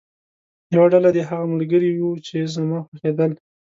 یوه ډله دې هغه ملګري وو چې زما خوښېدل.